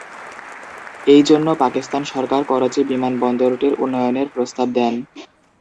এই জন্য পাকিস্তান সরকার করাচি বিমান বন্দরটির উন্নয়নের প্রস্তাব দেন।